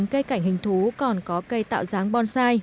thủ thú còn có cây tạo dáng bonsai